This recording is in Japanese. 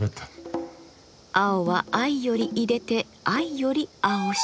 青は藍よりいでて藍より青し。